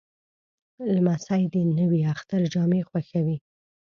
لمسی د نوي اختر جامې خوښوي.